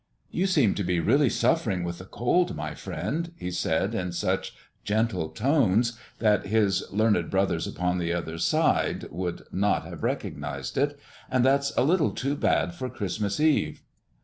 "You seem to be really suffering with the cold, my friend," he said in such gentle tones that his "learned brothers upon the other side" would not have recognized it; "and that's a little too bad for Christmas Eve."